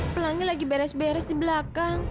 pelangi lagi beres beres di belakang